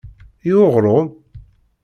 I uɣrum?